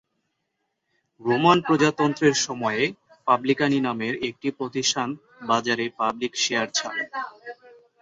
Roman প্রজাতন্ত্রের সময়ে"পাবলিকানি" নামের একটি প্রতিষ্ঠান বাজারে পাবলিক শেয়ার ছাড়ে।